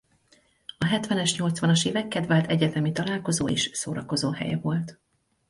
A hetvenes-nyolcvanas évek kedvelt egyetemi találkozó- és szórakozóhelye volt.